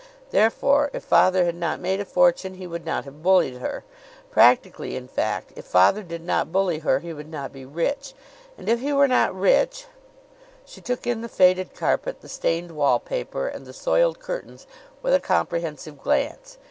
Therefore, if father had not made a fortune he would not have bullied her. Practically, in fact, if father did not bully her he would not be rich. And if he were not rich She took in the faded carpet, the stained wall paper and the soiled curtains with a comprehensive glance.